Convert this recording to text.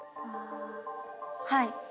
はい。